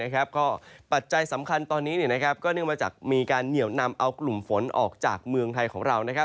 ก็ปัจจัยสำคัญตอนนี้ก็เนื่องมาจากมีการเหนียวนำเอากลุ่มฝนออกจากเมืองไทยของเรา